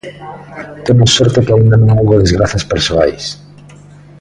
Temos sorte que aínda non houbo desgrazas persoais.